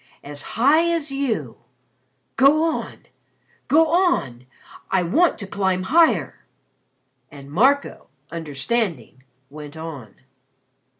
As high as you go on go on. I want to climb higher." And Marco, understanding, went on.